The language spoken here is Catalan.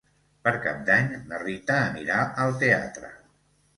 Per Cap d'Any na Rita anirà al teatre.